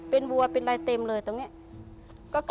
เป็นวัวเป็นอะไรเต็มเลยตรงนี้